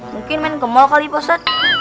mungkin main ke mall kali pak ustadz